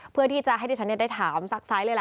เพื่อที่จะให้ดิฉันได้ถามซักซ้ายเลยล่ะ